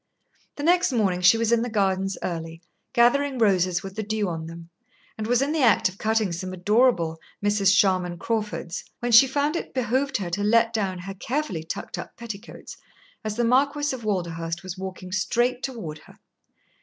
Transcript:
The next morning she was in the gardens early, gathering roses with the dew on them, and was in the act of cutting some adorable "Mrs. Sharman Crawfords," when she found it behoved her to let down her carefully tucked up petticoats, as the Marquis of Walderhurst was walking straight toward her.